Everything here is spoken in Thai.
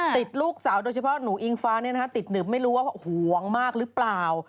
ติดลูกสาวโดยเฉพาะหนูอิงฟ้าติดหนึบไม่รู้ว่าห่วงมากหรือเปล่า